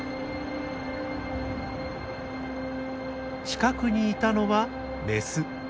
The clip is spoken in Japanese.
近くにいたのはメス。